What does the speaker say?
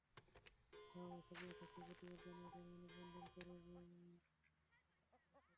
শাহবাগে সাকিবের শাস্তির প্রতিবাদ জানিয়ে তারা মানববন্ধন করবে বলে জানা গেছে।